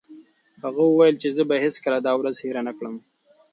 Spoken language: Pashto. هغه وویل چې زه به هیڅکله دا ورځ هېره نه کړم.